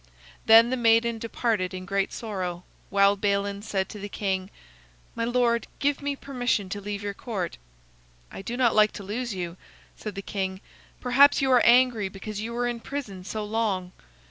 Then the maiden departed in great sorrow, while Balin said to the king: "My lord, give me permission to leave your court." "I do not like to lose you," said the king. "Perhaps you are angry because you were in prison so long.